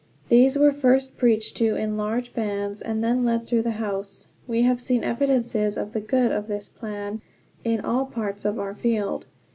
These were first preached to in large bands, and then led through the house. We have seen evidences of the good of this plan in all parts of our field.